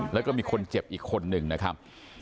แล้วก็มีคนเจ็บอีกคนนึงนะครับ